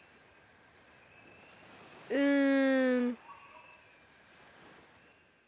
うん。